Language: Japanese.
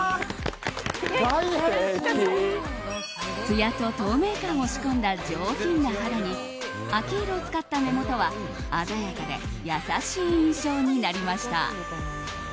つやと透明感を仕込んだ上品な肌に秋色を使った目元は鮮やかで優しい印象になりました。